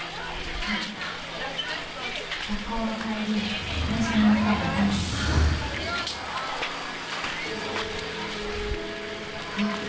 はい学校の帰り電車に乗ったらいたんですあっ